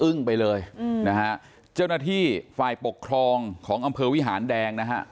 ไปเลยอืมนะฮะเจ้าหน้าที่ฝ่ายปกครองของอำเภอวิหารแดงนะฮะ